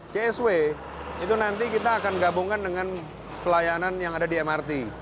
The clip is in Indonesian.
csw itu nanti kita akan gabungkan dengan pelayanan yang ada di mrt